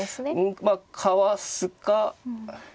まあかわすか金で。